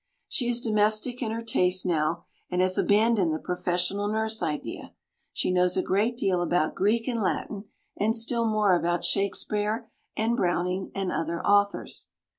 She is domestic in her tastes now, and has abandoned the professional nurse idea. She knows a great deal about Greek and Latin, and still more about Shakespeare and Browning and other authors.